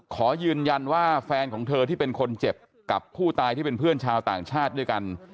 ขอยืนยันว่าแฟนของเธอที่เป็นคนเจ็บกับผู้ตายที่เป็นเพื่อนชาวต่างชาติด้วยกัน